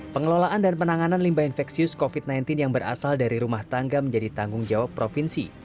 pengelolaan dan penanganan limbah infeksius covid sembilan belas yang berasal dari rumah tangga menjadi tanggung jawab provinsi